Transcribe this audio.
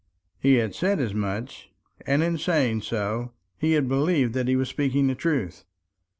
He had said as much; and in saying so, he had believed that he was speaking the truth.